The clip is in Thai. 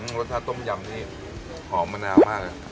รสชาติต้มยำนี่หอมมะนาวมากเลย